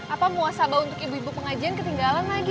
apa muasabah untuk ibu ibu pengajian ketinggalan lagi